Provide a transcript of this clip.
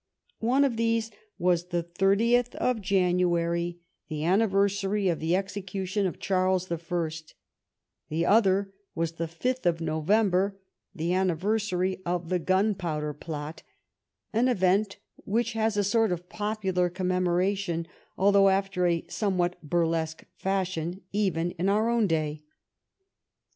One of these was the 30th of January, the anniversary of the execution of Charles the First The other was the 5th of November, the anniversary of the Gunpowder Plot, an event which has a sort of popular commemo ration, although after a somewhat burlesque fashion, even in our day.